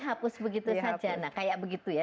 hapus begitu saja nah kayak begitu ya